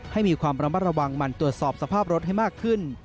ให้มีความระมัดระวังมันตรวจสอบสภาพรถให้มากขึ้น